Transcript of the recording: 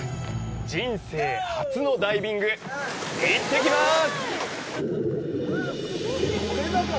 人生初のダイビング、行ってきます！